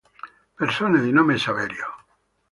Persone di nome Saverio